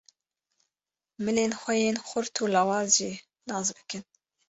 Milên xwe yên xurt û lawaz jî nas bikin.